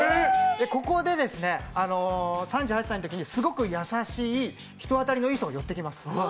ここで３８歳のときに、すごく優しい人当たりのいい人が寄ってきます。